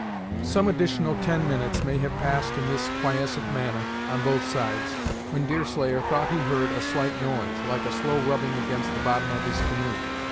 Some additional ten minutes may have passed in this quiescent manner, on both sides, when Deerslayer thought he heard a slight noise, like a low rubbing against the bottom of his canoe.